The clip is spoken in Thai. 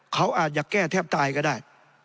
เขาอาจจะแก้แทบตายก็ได้